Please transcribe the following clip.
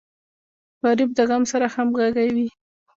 غریب د غم سره همغږی وي